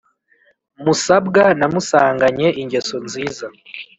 musabwa namusanganye ingeso nziza,